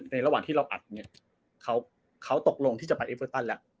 ระหว่างที่เราอัดเนี่ยเขาตกลงที่จะไปเอเวอร์ตันแล้ว